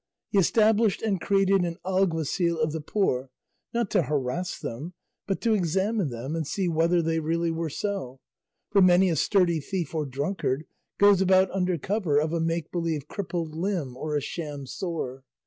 He established and created an alguacil of the poor, not to harass them, but to examine them and see whether they really were so; for many a sturdy thief or drunkard goes about under cover of a make believe crippled limb or a sham sore.